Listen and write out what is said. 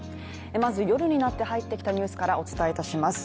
まず夜になって入ってきたニュースからお伝えいたします